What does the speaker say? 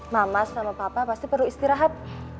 mama sama papa pasti perlu istirahat